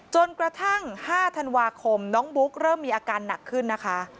จนกระทั่ง๕ธันวาคมน้องบุ๊กเริ่มมีอาการหนักขึ้นนะคะ